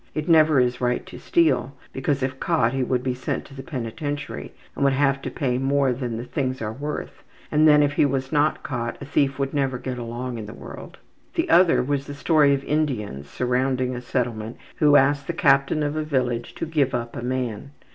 It never is right to steal, because if caught he would be sent to the penitentiary and would have to pay more than the things are worth, and, then, if he was not caught, a thief would never get along in the world. The other was the story of Indians surrounding a settlement who asked the captain of a village to give up a man.